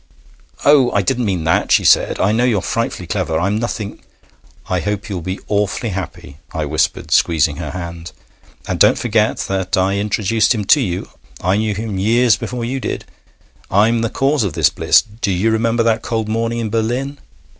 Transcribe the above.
'Oh! I didn't mean that,' she said. 'I know you're frightfully clever. I'm nothing ' 'I hope you'll be awfully happy,' I whispered, squeezing her hand. 'And don't forget that I introduced him to you I knew him years before you did. I'm the cause of this bliss Do you remember that cold morning in Berlin?'